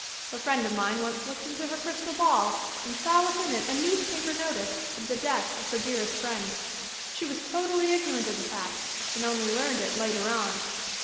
A friend of mine once looked into her crj stal ball and saw within it a newspaper notice of the death of her dearest friend. She was totally ignorant of the fact and only learned it later on.